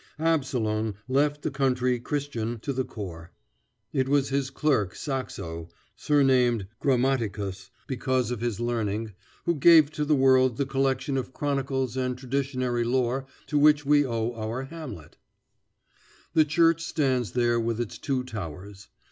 Absalon left the country Christian to the core. It was his clerk, Saxo, surnamed Grammaticus because of his learning, who gave to the world the collection of chronicles and traditionary lore to which we owe our Hamlet. [Illustration: Sir Asker Ryg's church at FJennesloevlille ] The church stands there with its two towers.